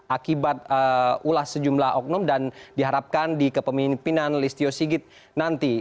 akibat ulas sejumlah oknum dan diharapkan di kepemimpinan listio sigit nanti